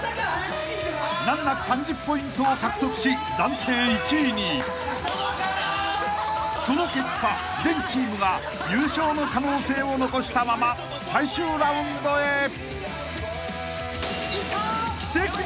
［難なく３０ポイントを獲得し暫定１位に］［その結果全チームが優勝の可能性を残したまま最終ラウンドへ］